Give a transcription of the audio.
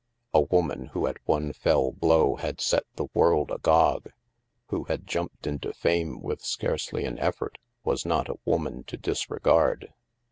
A woman who at one fell blow had set the world agog, who had jumped into fame with scarcely an effort, was not a woman to dis regard.